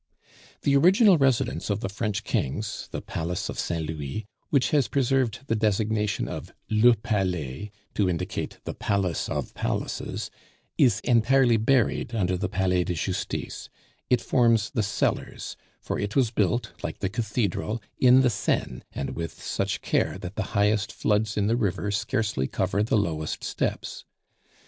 The original residence of the French kings, the Palace of Saint Louis, which has preserved the designation of Le Palais, to indicate the Palace of palaces, is entirely buried under the Palais de Justice; it forms the cellars, for it was built, like the Cathedral, in the Seine, and with such care that the highest floods in the river scarcely cover the lowest steps.